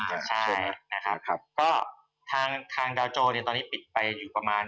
อ่าใช่นะครับก็ทางดาวโจเนี่ยตอนนี้ปิดไปอยู่ประมาณ